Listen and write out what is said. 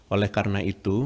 oleh karena itu